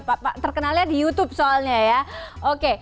pak terkenalnya di youtube soalnya ya oke